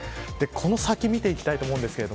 この先見ていきたいと思います。